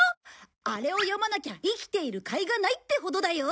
あれを読まなきゃ生きているかいがないってほどだよ！